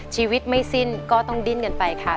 ชีวิตไม่สิ้นก็ต้องดิ้นกันไปค่ะ